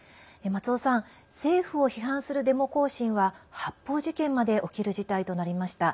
松尾さん政府を批判するデモ行進は発砲事件まで起きる事態となりました。